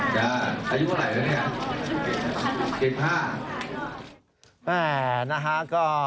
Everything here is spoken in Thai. ขอบคุณค่ะอายุเมื่อไหร่แล้วเนี่ย๑๕